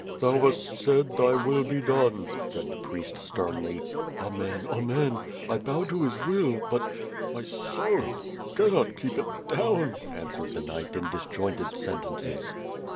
"Thou hast said, 'Thy will be done,"' said the priest sternly. "Amen, Amen. I bow to His will, but .. my sorrow ... cannot keep it down,*' answered the knight in disjointed sen tences.